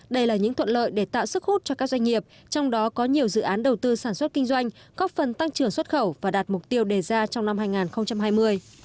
đây là những thuận lợi để tạo sức hút cho các doanh nghiệp trong đó có nhiều dự án đầu tư sản xuất kinh doanh góp phần tăng trưởng xuất khẩu và đạt mục tiêu đề ra trong năm hai nghìn hai mươi